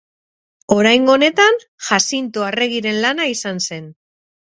Oraingo honetan Jazinto Arregiren lana izan zen.